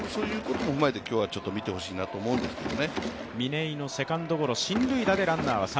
そういうことも踏まえて今日は見てほしいなと思いますね。